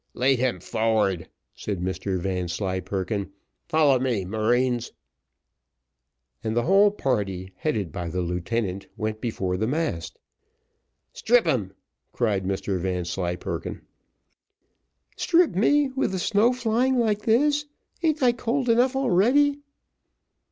"Lead him forward," said Mr Vanslyperken; "follow me, marines;" and the whole party, headed by the lieutenant, went before the mast. "Strip him," cried Mr Vanslyperken. "Strip me, with the snow flying like this! An't I cold enough already?"